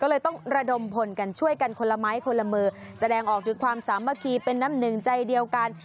ก็เลยต้องระดมพลกันช่วยกันคนละไม้คนละมือแสดงออกถึงความสามัคคีเป็นน้ำหนึ่งใจเดียวกัน